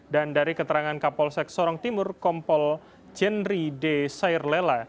dan dari keterangan kapolsek sorong timur kompol jenri de sairlela